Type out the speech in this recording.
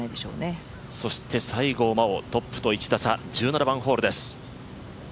そして西郷真央、トップと１打差、１７番ホールです。